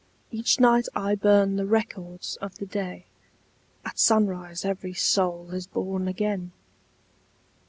Each night I burn the records of the day, — At sunrise every soul is born again